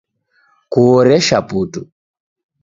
Kuhoresha putu!